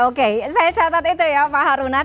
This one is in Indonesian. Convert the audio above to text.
oke saya catat itu ya pak harunan